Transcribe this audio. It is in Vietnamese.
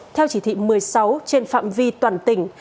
theo chỉ thị một mươi sáu trên phạm vi toàn tỉnh